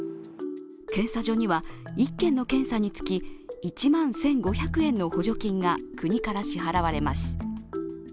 検査所には１件の検査につき１万１５００円の補助金が国から支払われます。